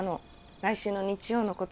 来週の日曜のことで。